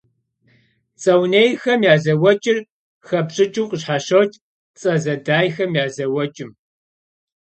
Цӏэ унейхэм я зэуэкӏыр хэпщӏыкӏыу къыщхьэщокӏ цӏэ зэдайхэм я зэуэкӏым.